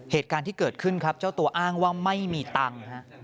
เหตุการณ์ที่เกิดขึ้นครับเจ้าตัวอ้างว่าไม่มีตังค์